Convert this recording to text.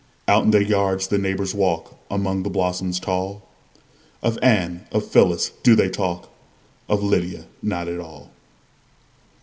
Out in their yards the neighbors walk, Among the blossoms tall; Of Anne, of Phyllis, do they talk, Of Lydia not at all.